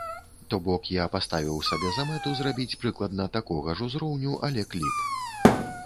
То бок, я паставіў сабе за мэту зрабіць прыкладна такога ж узроўню, але кліп.